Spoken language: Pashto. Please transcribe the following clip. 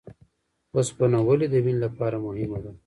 اوسپنه ولې د وینې لپاره مهمه ده؟